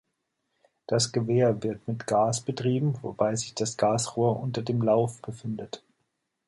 Das Gewehr wird mit Gas betrieben, wobei sich das Gasrohr unter dem Lauf befindet.